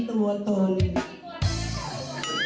หนะเวิบ